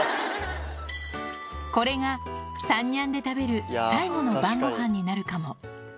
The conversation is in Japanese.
これが３ニャンで食べる最後の晩ごはんになるかも。